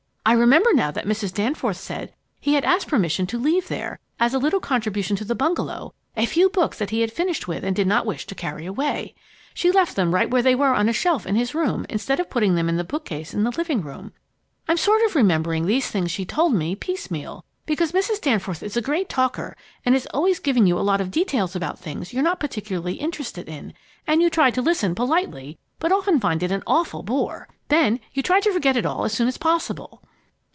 "I remember now that Mrs. Danforth said he had asked permission to leave there, as a little contribution to the bungalow, a few books that he had finished with and did not wish to carry away. She left them right where they were on a shelf in his room, instead of putting them in the bookcase in the living room. I'm sort of remembering these things she told me, piecemeal, because Mrs. Danforth is a great talker and is always giving you a lot of details about things you're not particularly interested in, and you try to listen politely, but often find it an awful bore. Then you try to forget it all as soon as possible!"